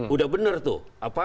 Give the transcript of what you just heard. udah bener tuh